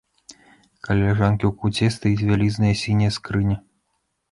Каля ляжанкі ў куце стаіць вялізная сіняя скрыня.